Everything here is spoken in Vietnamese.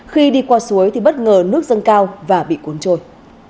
khi đi qua suối thì bất ngờ nước dâng cao và bị cuốn trôi